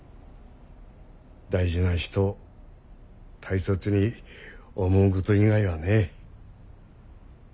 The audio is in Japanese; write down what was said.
大事な人を大切に思うこと以外はね。